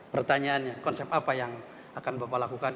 pertanyaannya konsep apa yang akan bapak lakukan